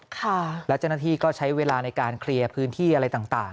แล้วเจ้าหน้าที่ก็ใช้เวลาในการเคลียร์พื้นที่อะไรต่าง